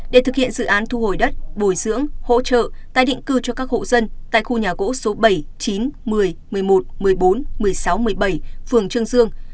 để thực hiện dự án thu hồi đất bồi dưỡng hỗ trợ tái định cư cho các hộ dân tại khu nhà gỗ số bảy chín một mươi một mươi một một mươi bốn một mươi sáu một mươi bảy phường trương dương